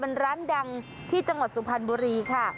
เป็นร้านดังที่จังหวัดสุพรรณบุรีค่ะ